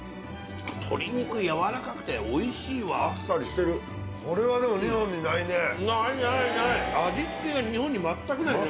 鶏肉やわらかくておいしいわあっさりしてるこれはでも日本にないねえないないない味付けが日本に全くないですね